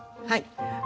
はい。